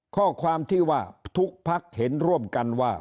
ข้อความที่ว่าทุกพักเห็นร่วมกันว่า